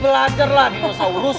lancer lah dinosaurus